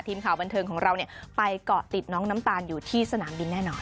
ทีมข่าวบันเทิงของเราไปเกาะติดน้องน้ำตาลอยู่ที่สนามบินแน่นอน